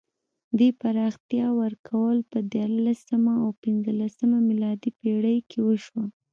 دې پراختیا ورکول په دیارلسمه او پنځلسمه میلادي پېړۍ کې وشوه.